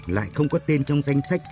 lại không có tên trong danh sách